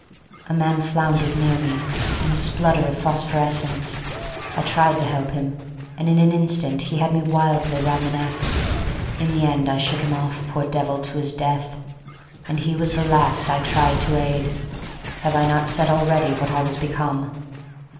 A man floundered near me, in a splutter of phosphorescence. I tried to help him, and in an instant he had me wildly round the neck. In the end I shook him off, poor devil, to his death. And he was the last I tried to aid: have I not said already what I was become?